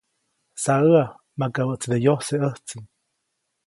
Saʼäʼa, makabäʼtside yojseʼ ʼäjtsi.